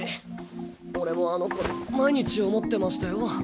俺もあの頃毎日思ってましたよ。